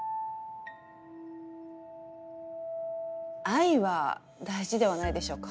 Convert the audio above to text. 愛は大事ではないでしょうか？